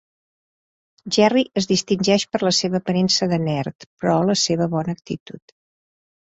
Jerry es distingeix per la seva aparença de "nerd" però la seva bona actitud.